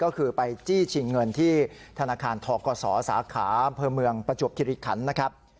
ก็คือไปจี้ชิงเงินที่ธนาคารที่ทองกสสาขาเพือเมืองประจวบกิริขันต์นะครับ